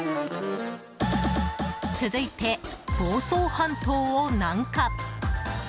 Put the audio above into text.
続いて房総半島を南下。